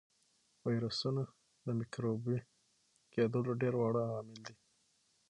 ویروسونه د مکروبي کېدلو ډېر واړه عوامل دي.